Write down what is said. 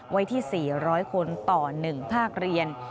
ไว้ที่๔๐๐คนต่อ๑ภาคเรียน